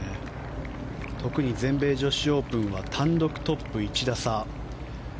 特に、全米女子オープンは単独トップ１打差。